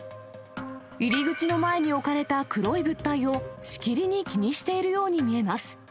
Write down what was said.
入り口の前に置かれた黒い物体をしきりに気にしているように見えます。